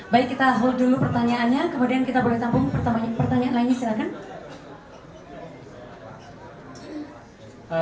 baik kita hold dulu pertanyaannya kemudian kita boleh tabung pertanyaan lainnya silahkan